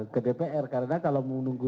ke dpr karena kalau menunggu